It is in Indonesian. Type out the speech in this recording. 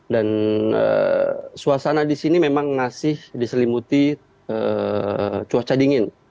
dan suasana di sini memang masih diselimuti cuaca dingin